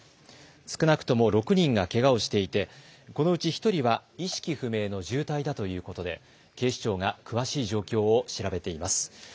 少なくとも６人がけがをしていてこのうち１人は意識不明の重体だということで警視庁が詳しい状況を調べています。